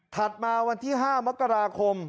มาวันที่๕มกราคม